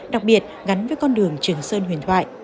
đặc biệt gắn với con đường trường sơn huyền thoại